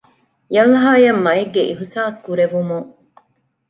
ޔަލްހާއަށް މައެއްގެ އިހްސާސް ކުރެވުމުން